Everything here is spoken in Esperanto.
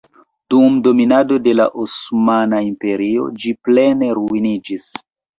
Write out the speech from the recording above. Dum dominado de la Osmana Imperio ĝi plene ruiniĝis.